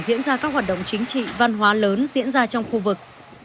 diễn ra các hoạt động chính trị văn hóa lớn diễn ra trong khu vực